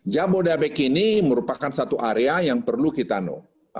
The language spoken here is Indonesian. jabodetabek ini merupakan satu area yang perlu diperlukan untuk mengembalikan